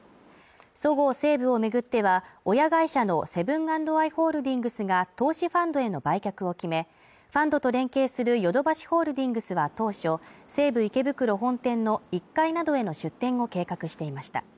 そごう・西武を巡っては、親会社のセブン＆アイ・ホールディングスが投資ファンドへの売却を決め、ファンドと連携するヨドバシホールディングスは当初、西武池袋本店の１階などへの出店を計画していました。